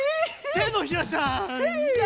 てのひらちゃん！